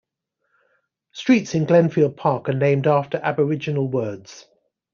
Streets in Glenfield Park are named after Aboriginal words.